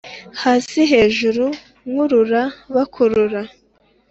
hasi hejuru nkurura bakurura